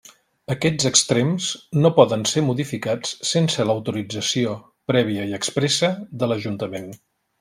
Aquests extrems no poden ser modificats sense l'autorització prèvia i expressa de l'Ajuntament.